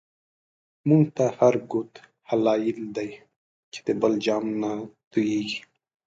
مونږ ته هر گوت هلایل دی، چی د بل جام نه توییږی